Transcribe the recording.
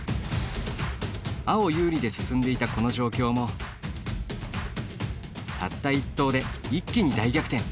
青、有利で進んでいたこの状況もたった１投で、一気に大逆転！